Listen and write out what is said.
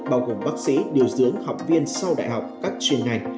bao gồm bác sĩ điều dưỡng học viên sau đại học các chuyên ngành